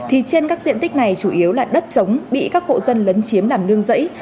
thì trên các diện tích này chủ yếu là đất trống bị các hộ dân lấn chiếm làm nương rẫy